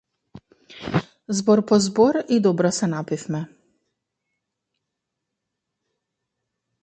Збор по збор, и добро се напивме.